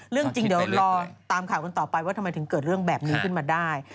เรื่องจริงเดี๋ยวรอตามข่าวกันต่อไปว่าทำไมถึงเกิดเรื่องแบบนี้ขึ้นมาได้